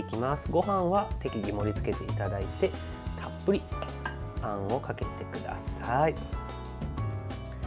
ごはんは適宜盛りつけていただいてたっぷりあんをかけてください。